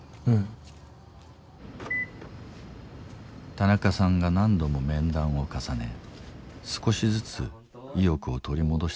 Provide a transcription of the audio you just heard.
田中さんが何度も面談を重ね少しずつ意欲を取り戻してきた人がいる。